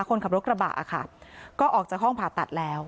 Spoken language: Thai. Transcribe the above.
คนขับรถกระบะค่ะก็ออกจากห้องผ่าตัดแล้ว